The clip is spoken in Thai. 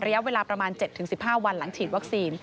ระยะเวลาประมาณ๗๑๕วันหลังฉีดวัคซีน